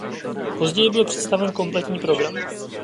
Později byl představen kompletní program.